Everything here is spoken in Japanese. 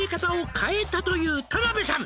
「変えたという田辺さん」